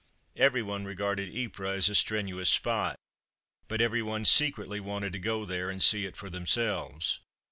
Every one regarded Ypres as a strenuous spot, but every one secretly wanted to go there and see it for themselves.